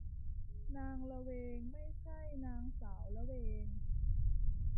นางละเวง ไม่ใช่นางสาวละเวง